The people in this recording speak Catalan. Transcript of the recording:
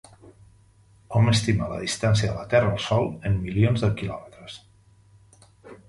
Hom estima la distància de la Terra al Sol en milions de quilòmetres.